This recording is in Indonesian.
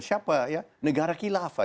siapa ya negara khilafah